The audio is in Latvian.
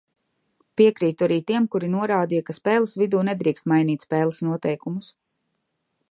Piekrītu arī tiem, kuri norādīja, ka spēles vidū nedrīkst mainīt spēles noteikumus.